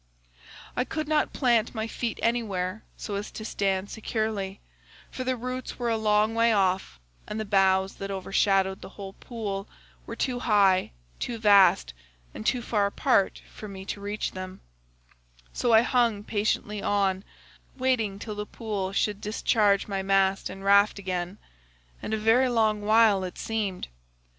I could not plant my feet anywhere so as to stand securely, for the roots were a long way off and the boughs that overshadowed the whole pool were too high, too vast, and too far apart for me to reach them; so I hung patiently on, waiting till the pool should discharge my mast and raft again—and a very long while it seemed.